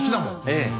ええ。